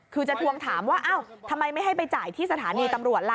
คือจะทวงถามว่าเอ้าทำไมไม่ให้ไปจ่ายที่สถานีตำรวจล่ะ